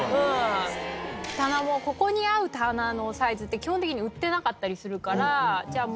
棚もここに合う棚のサイズって基本的に売ってなかったりするからじゃあ